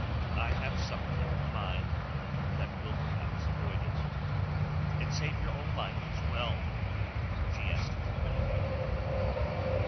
"I have something in mind that will perhaps avoid it." "And save your own life as well?" she asked him quickly.